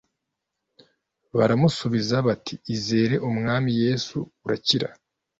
Baramusubiza bati izere umwami yesu urakira